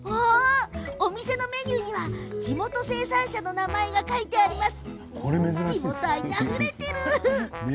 お店のメニューには地元生産者の名前が書いてあるんですね。